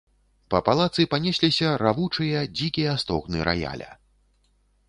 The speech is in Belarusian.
Па палацы панесліся равучыя, дзікія стогны раяля.